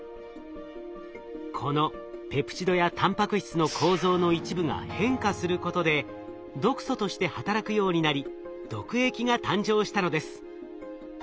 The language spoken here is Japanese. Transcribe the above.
このペプチドやたんぱく質の構造の一部が変化することで毒素として働くようになり毒液が誕生したのです。